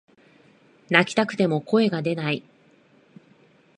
泣きたくても声が出ない